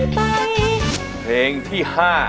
เพลงที่๕